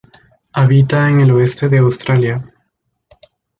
Habita en el oeste de Australia.